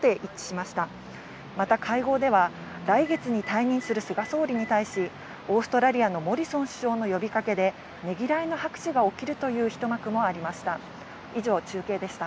また、会合では来月に退任する菅総理に対し、オーストラリアのモリソン首相の呼びかけでねぎらいの拍手が起きる一幕もありました。